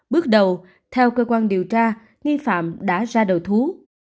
bước đầu theo cơ quan điều tra nghi phạm đã ra đầu thú